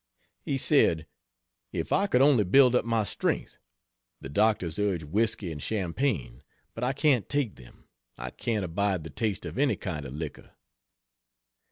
He said: "If I could only build up my strength! The doctors urge whisky and champagne; but I can't take them; I can't abide the taste of any kind of liquor."